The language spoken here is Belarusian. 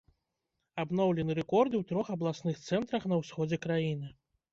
Абноўлены рэкорды ў трох абласных цэнтрах на ўсходзе краіны.